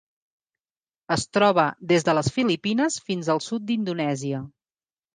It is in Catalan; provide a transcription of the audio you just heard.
Es troba des de les Filipines fins al sud d'Indonèsia.